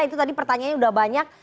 itu tadi pertanyaannya sudah banyak